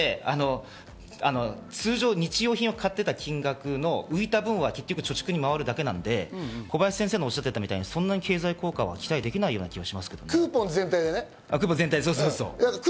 通常、日用品を買っていた金額の浮いた分は結局貯蓄に回るだけなので、小林先生がおっしゃったようにそんなに経済効果は期待できない気がします、クーポン全体で。